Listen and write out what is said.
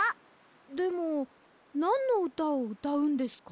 でもなんのうたをうたうんですか？